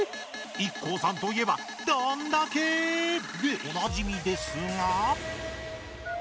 ＩＫＫＯさんといえば「どんだけ」でおなじみですが。